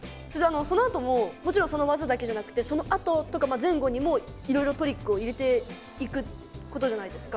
そのあとももちろんその技だけじゃなくてそのあととか前後にもいろいろトリックを入れていくことじゃないですか。